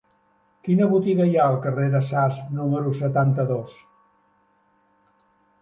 Quina botiga hi ha al carrer de Sas número setanta-dos?